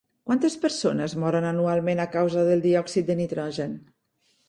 Quantes persones moren anualment a causa del diòxid de nitrogen?